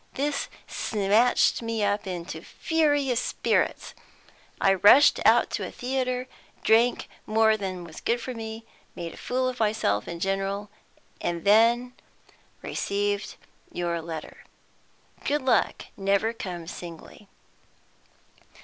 This snatched me up into furious spirits. I rushed out to a theatre, drank more than was good for me, made a fool of myself in general, and then received your letter. Good luck never comes singly."